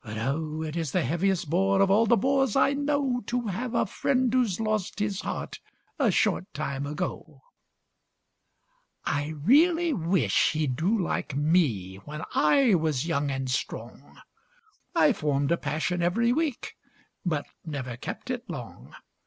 But oh! it is the heaviest bore, Of all the bores I know, To have a friend who's lost his heart A short time ago. I really wish he'd do like me When I was young and strong; I formed a passion every week, But never kept it long.